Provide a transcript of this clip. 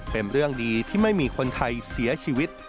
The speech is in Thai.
เป็นเรื่องดีที่ไม่มีคนไทยเสียชีวิต